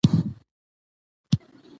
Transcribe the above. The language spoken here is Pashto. افغانستان د تمدنونو تېرېدونکی و.